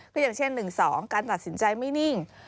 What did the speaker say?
ก็อย่างเช่น๑๒การตัดสินใจไม่นิ่ง